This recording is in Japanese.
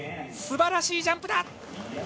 すばらしいジャンプだ！